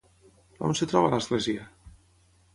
On es troba l'església?